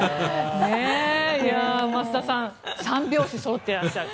増田さん３拍子そろってらっしゃる。